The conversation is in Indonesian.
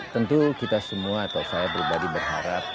tentu kita semua atau saya berpadi berharap